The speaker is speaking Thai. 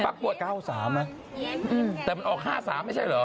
ปรากฏแต่มันออก๕๓ไม่ใช่เหรอ